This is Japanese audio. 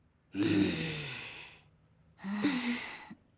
うん